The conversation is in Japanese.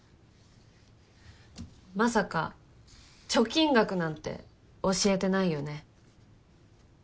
まさか貯金額なんて教えてないよね？